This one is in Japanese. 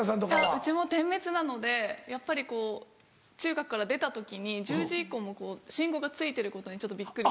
うちも点滅なのでやっぱりこう中学から出た時に１０時以降も信号がついてることにちょっとびっくり。